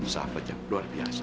sahabat yang luar biasa